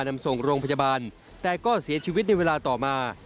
นำส่งโรงพยาบาลแต่ก็เสียชีวิตในเวลาต่อมา